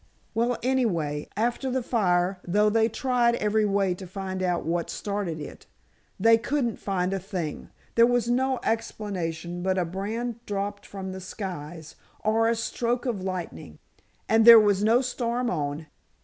Well, anyway, after the fire, though they tried every way to find out what started it, they couldn't find a thing! There was no explanation but a brand dropped from the skies, or a stroke of lightning! And there was no storm on.